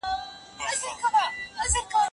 لیکل تر اورېدلو مهم رول لري.